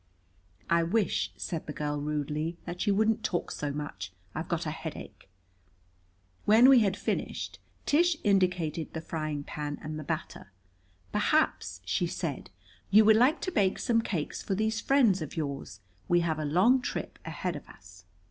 "I wish," said the girl rudely, "that you wouldn't talk so much. I've got a headache." When we had finished Tish indicated the frying pan and the batter. "Perhaps," she said, "you would like to bake some cakes for these friends of yours. We have a long trip ahead of us."